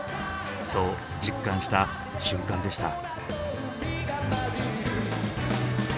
そう実感した瞬間でした。